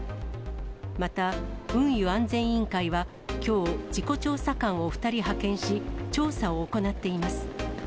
また、運輸安全委員会はきょう、事故調査官を２人派遣し、調査を行っています。